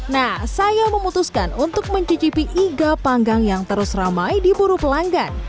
nah saya memutuskan untuk mencicipi iga panggang yang terus ramai di buru pelanggan